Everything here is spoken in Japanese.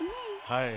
はい。